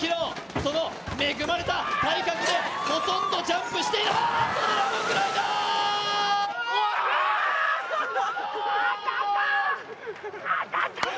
その恵まれた体格でほとんどジャンプしていない、おーっと！